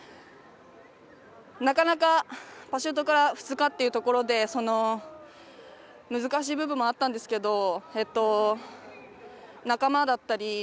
なかなか、パシュートから２日っていうところで難しい部分もあったんですけど仲間だったり